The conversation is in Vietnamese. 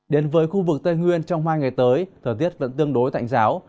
đến với khu vực tây nguyên trong hai ngày tới thời tiết vẫn tương đối tạnh giáo